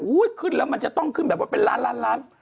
ขึ้นแล้วมันจะต้องขึ้นแบบว่าเป็นล้านล้าน